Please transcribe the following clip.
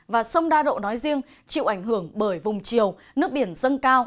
và sông đa độ nói riêng chịu ảnh hưởng bởi vùng chiều nước biển dâng cao